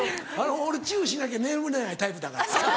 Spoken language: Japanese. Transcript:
俺チュしなきゃ眠れないタイプだから。